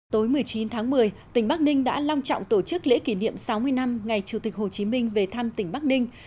tối một mươi chín tháng một mươi tỉnh bắc ninh đã long trọng tổ chức lễ kỷ niệm sáu mươi năm ngày chủ tịch hồ chí minh về thăm tỉnh bắc ninh